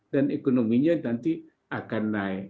dan ekonominya nanti akan naik